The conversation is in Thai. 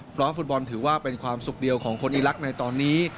เพราะฟุตบอลถือว่าเป็นความสุขเดียวของคนอีลักษณ์ในตอนนี้